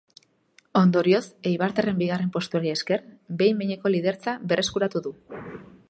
Ondorioz, eibartarraren bigarren postuari esker, behin behineko lidertza berreskuratu du.